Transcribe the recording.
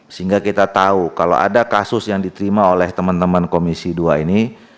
sehingga kita tahu kalau ada kasus yang diterima oleh teman teman komisi dua ini